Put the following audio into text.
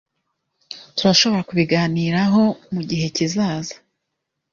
Turashobora kubiganiraho mugihe kizaza.